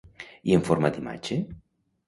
I en forma d'imatge?